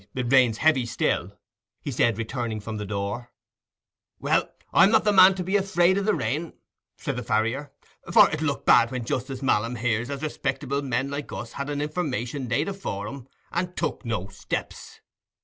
"Why, it rains heavy still," he said, returning from the door. "Well, I'm not the man to be afraid o' the rain," said the farrier. "For it'll look bad when Justice Malam hears as respectable men like us had a information laid before 'em and took no steps."